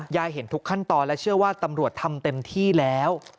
เห็นทุกขั้นตอนและเชื่อว่าตำรวจทำเต็มที่แล้ว